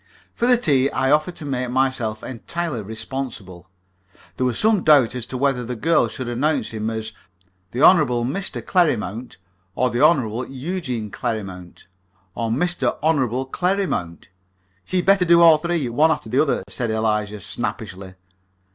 For the tea I offered to make myself entirely responsible. There was some doubt as to whether the girl should announce him as the Hon. Mr. Clerrimount, or the Hon. Eugene Clerrimount, or Mr. Hon. Clerrimount. "She'd better do all three, one after the other," said Eliza, snappishly.